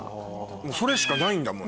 もうそれしかないんだもん。